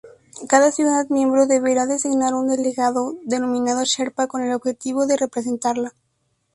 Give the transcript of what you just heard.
Cada ciudad miembro deberá designar un delegado, denominado Sherpa, con el objetivo de representarla.